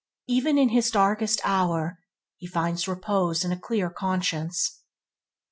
Even in his darkest hour he finds repose in a clear conscience.